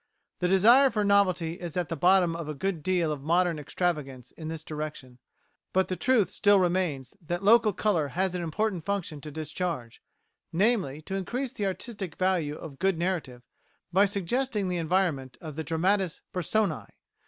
The desire for novelty is at the bottom of a good deal of modern extravagance in this direction, but the truth still remains that local colour has an important function to discharge namely, to increase the artistic value of good narrative by suggesting the environment of the dramatis personæ.